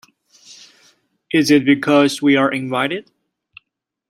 Is it because we are invited?